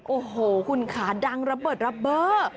โอ้โหคุณขาดังระเบิดระเบอร์